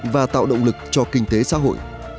và tạo động lực cho kinh tế xã hội